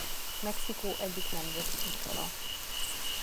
Mexikó egyik nemzeti itala.